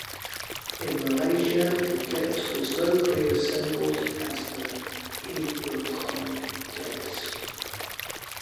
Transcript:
In Malaysia, the Getz was locally assembled as the Inokom Getz.